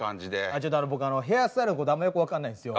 ちょっと僕ヘアスタイルのことあんまよく分かんないんですよ。